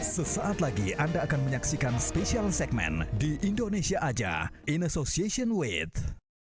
sesaat lagi anda akan menyaksikan special segmen di indonesia aja in association with